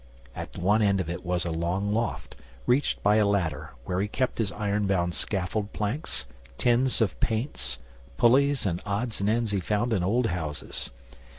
At one end of it was a long loft, reached by a ladder, where he kept his iron bound scaffold planks, tins of paints, pulleys, and odds and ends he had found in old houses.